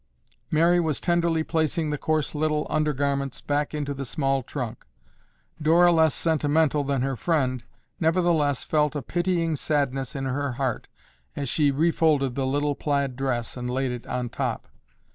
Mary was tenderly placing the coarse little undergarments back into the small trunk. Dora less sentimental than her friend, nevertheless felt a pitying sadness in her heart as she refolded the little plaid dress and laid it on top.